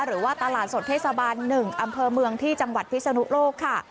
หรือว่าตลาดสดเทศบาล๑อำเภอเมืองที่จังหวัดพิศนุโลกค่ะ